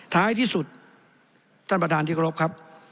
ท้ายที่สุดท่านประธานที่เคารพครับ